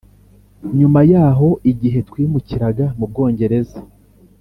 Nyuma yaho igihe twimukiraga mu Bwongereza